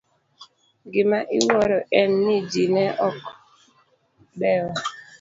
Gima iwuoro en ni ji ne ok dewa.